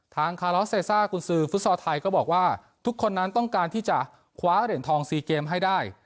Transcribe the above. คาลอสเซซ่ากุญซือฟุตซอลไทยก็บอกว่าทุกคนนั้นต้องการที่จะคว้าเหรียญทอง๔เกมให้ได้